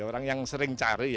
orang yang sering cari